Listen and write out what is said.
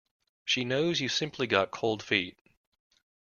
She knows you simply got cold feet.